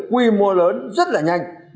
quy mô lớn rất là nhanh